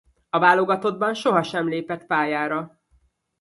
A válogatottban sohasem lépett pályára.